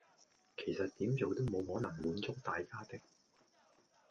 其實點做都冇可能滿足大家的